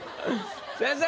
先生！